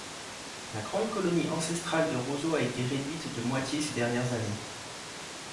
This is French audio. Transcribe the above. La grande colonie ancestrale de roseaux a été réduite de moitié ces dernières années.